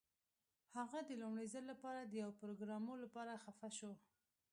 هغه د لومړي ځل لپاره د یو پروګرامر لپاره خفه شو